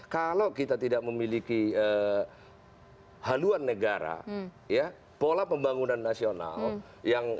kalau kita tidak memiliki haluan negara pola pembangunan nasional